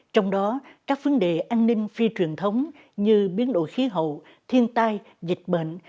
trong đó các vấn đề an ninh phi truyền thống như biến đổi khí hậu thiên tai dịch bệnh